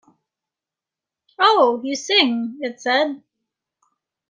‘Oh, you sing,’ it said.